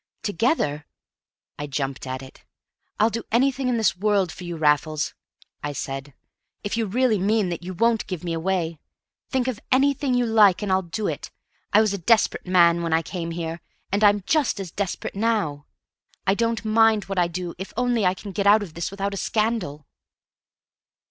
"Together!" I jumped at it. "I'll do anything in this world for you, Raffles," I said, "if you really mean that you won't give me away. Think of anything you like, and I'll do it! I was a desperate man when I came here, and I'm just as desperate now. I don't mind what I do if only I can get out of this without a scandal."